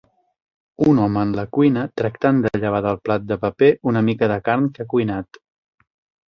Un home en la cuina tractant de llevar del plat de paper una mica de carn que ha cuinat.